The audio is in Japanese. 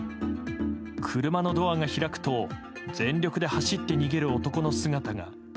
車のドアが開くと全力で走って逃げる男の姿が。